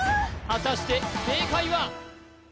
果たして正解は？